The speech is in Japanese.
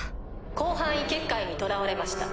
広範囲結界にとらわれました。